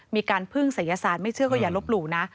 มีการพึ่งศัยศาสตร์ไม่เชื่อก็อย่าลบหลู่นะ